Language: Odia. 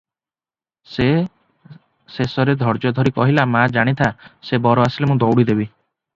ଶେଷରେ ଧୈର୍ଯ୍ୟ ଧରି କହିଲା, "ମା, ଜାଣିଥା- ସେ ବର ଆସିଲେ ମୁଁ ଦଉଡ଼ି ଦେବି ।"